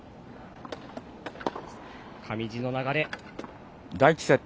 上地の流れ。